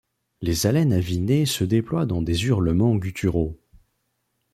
Les haleines avinées se déploient dans des hurlements gutturaux.